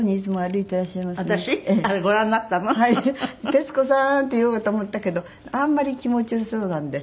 「徹子さーん」って言おうかと思ったけどあんまり気持ちよさそうなんで。